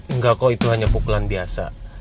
enggak kok itu hanya pukulan biasa